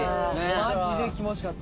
マジで気持ちよかった。